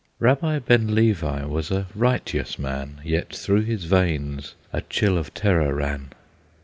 Rabbi Ben Levi was a righteous man, Yet through his veins a chill of terror ran.